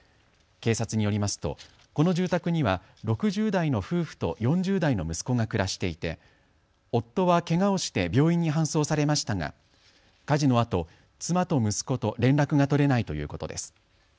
警察によりますと、この住宅には６０代の夫婦と４０代の息子が暮らしていて夫はけがをして病院に搬送されましたが火事のあと妻と息子と連絡が取れないということです。